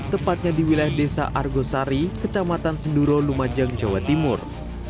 tepatnya di wilayah desa argosari kecamatan senduro lumajang jawa timur